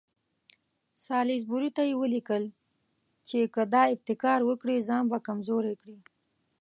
سالیزبوري ته یې ولیکل چې که دا ابتکار وکړي ځان به کمزوری کړي.